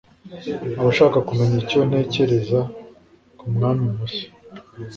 Abashaka kumenya icyo ntekereza ku mwami mushya